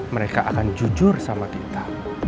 mereka akan jujur sama kita